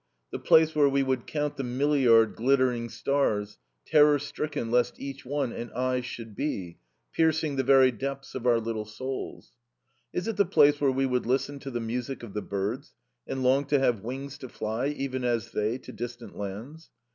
The place where we would count the milliard glittering stars, terror stricken lest each one "an eye should be," piercing the very depths of our little souls? Is it the place where we would listen to the music of the birds, and long to have wings to fly, even as they, to distant lands?